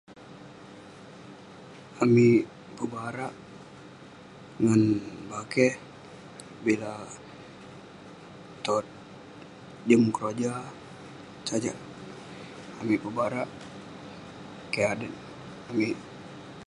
Amik pebarak ngan bakeh bila tot jin keroja, sajak amik pebarak. Keh adet amik.